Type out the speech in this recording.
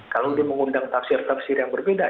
kalau dia mengundang tafsir tafsir yang berbeda